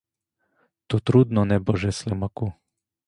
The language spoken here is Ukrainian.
То трудно, небоже Слимаку!